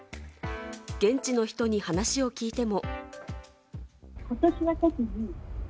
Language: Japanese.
現地の人に話を聞いても。